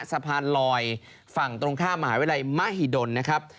สะพานลอยฝั่งตรงข้ามมหาวิทยาลัยมหิดลนะครับ